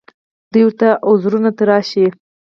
دوی ورته عذرونه تراشي